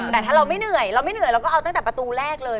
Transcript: แต่ถ้าเราไม่เหนื่อยเราไม่เหนื่อยเราก็เอาตั้งแต่ประตูแรกเลย